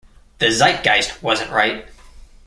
The zeitgeist wasn't right.